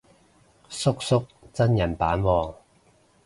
叔叔真人版喎